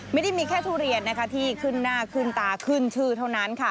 ไม่ได้มีแค่ทุเรียนนะคะที่ขึ้นหน้าขึ้นตาขึ้นชื่อเท่านั้นค่ะ